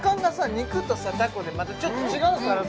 肉とさタコでまたちょっと違うからさ